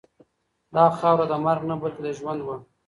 دا خاوره د مرګ نه بلکې د ژوند وه.